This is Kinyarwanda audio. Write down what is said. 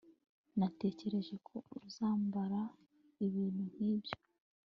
Natekereje ko uzambara ibintu nkibyo